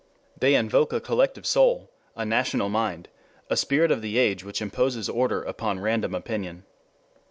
They invoke a collective soul, a national mind, a spirit of the age which imposes order upon random opinion.